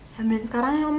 saya ambilin sekarang ya om ya